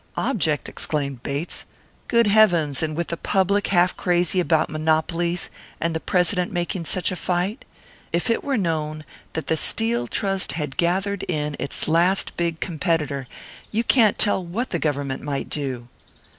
"Object!" exclaimed Bates. "Good Heavens, and with the public half crazy about monopolies, and the President making such a fight! If it were known that the Steel Trust had gathered in its last big competitor, you can't tell what the Government might do!"